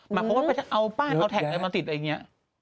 หมายความว่าเค้าเอาพ่านออกมาติดอย่างนี้